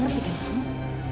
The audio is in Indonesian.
ngerti kan kamu